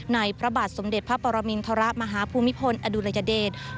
พระบาทสมเด็จพระปรมินทรมาฮภูมิพลอดุลยเดช